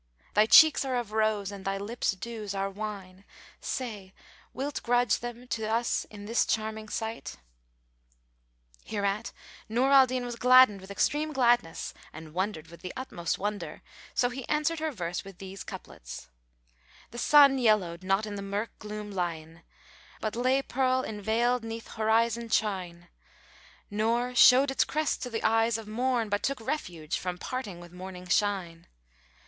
Thy cheeks are of Rose and thy lips dews are wine; * Say, wilt grudge them to us in this charming site?" Hereat Nur al Din was gladdened with extreme gladness and wondered with the utmost wonder, so he answered her verse with these couplets, "The sun yellowed not in the murk gloom li'en * But lay pearl enveiled 'neath horizon chine; Nor showed its crest to the eyes of Morn * But took refuge from parting with Morning shine.